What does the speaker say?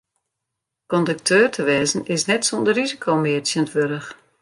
Kondukteur te wêzen is net sûnder risiko mear tsjintwurdich.